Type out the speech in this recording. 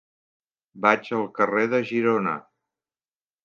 Vaig al carrer de Girona.